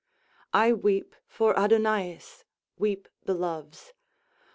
I weep for Adonaïs weep the Loves.